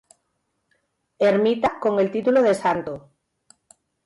Ermita con el título del Santo".